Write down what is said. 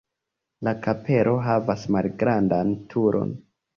La kapelo havas malgrandan turon.